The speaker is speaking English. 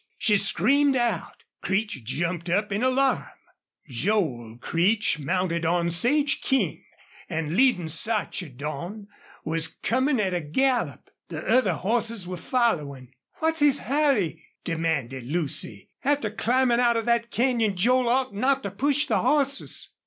She screamed out. Creech jumped up in alarm. Joel Creech, mounted on Sage King, and leading Sarchedon, was coming at a gallop. The other horses were following. "What's his hurry?" demanded Lucy. "After climbing out of that canyon Joel ought not to push the horses."